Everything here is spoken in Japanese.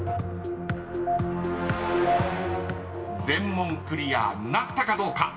［全問クリアなったかどうか］